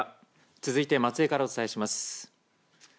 続いて松江からお伝えします。